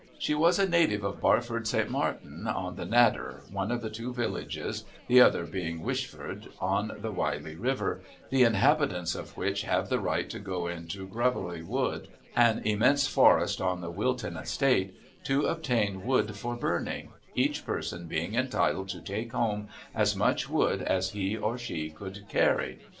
She was a native of Barford St. Martin on the Nadder, one of two villages, the other being Wishford, on the Wylye river, the inhabitants of which have the right to go into Groveley Wood, an immense forest on the Wilton estate, to obtain wood for burning, each person being entitled to take home as much wood as he or she can carry.